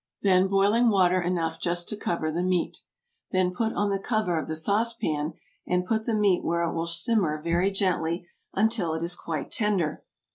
Then boiling water enough just to cover the meat. Then put on the cover of the sauce pan, and put the meat where it will simmer very gently until it is quite tender.